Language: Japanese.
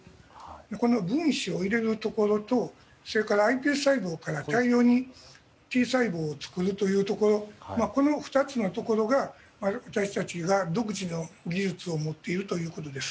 この分子を入れるところとそれから、ｉＰＳ細胞から大量にＴ細胞を作るところこの２つのところが私たちが独自の技術を持っているということです。